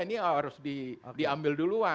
ini harus diambil duluan